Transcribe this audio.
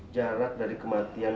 jarak dari kematian